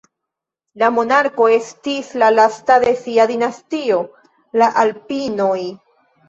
La monarko estis la lasta de sia dinastio, la "Alpin"oj.